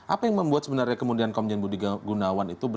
apa yang membuat sebenarnya kemudian komjen budi gunawan itu